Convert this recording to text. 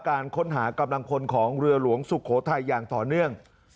การค้นหากำลังพลของเรือหลวงสุโขทัยอย่างต่อเนื่อง